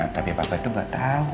tapi papa tuh gak tau